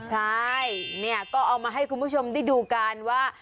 ใช่เนี่ยก็เอามาให้คุณผู้ชมได้ดูกันว่า